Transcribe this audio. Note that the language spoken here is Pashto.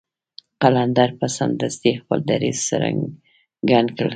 قلندر به سمدستي خپل دريځ څرګند کړ.